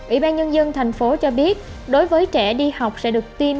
ủy ban nhân dân thành phố cho biết đối với trẻ đi học sẽ được tiêm